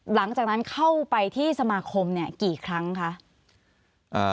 หลังจากนั้นเข้าไปที่สมาคมเนี่ยกี่ครั้งคะ